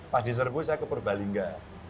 pas di serbu saya ke purbalingga